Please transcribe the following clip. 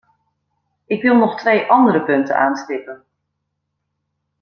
Ik wil nog twee andere punten aanstippen.